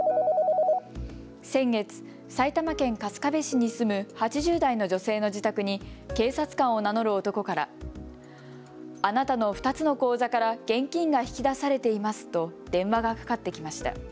先月、埼玉県春日部市に住む８０代の女性の自宅に警察官を名乗る男からあなたの２つの口座から現金が引き出されていますと電話がかかってきました。